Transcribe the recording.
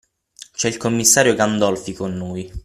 C'è il commissario Gandolfi con noi.